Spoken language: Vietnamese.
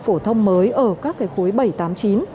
phổ thông mới ở các khối bảy trăm tám mươi chín